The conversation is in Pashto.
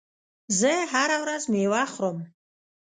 زه هره ورځ مېوه خورم.